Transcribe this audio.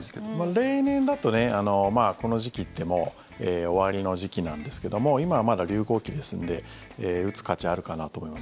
例年だと、この時期ってもう終わりの時期なんですけども今はまだ流行期ですので打つ価値あるかなと思います。